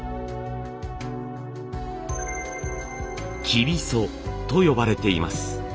生皮苧と呼ばれています。